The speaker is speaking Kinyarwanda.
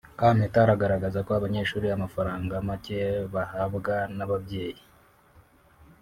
Kampeta agaragaza ko Abanyeshuri amafaranga make bahabwa n’ababyei